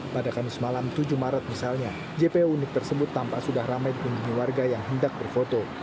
pada kamis malam tujuh maret misalnya jpo unik tersebut tampak sudah ramai dikunjungi warga yang hendak berfoto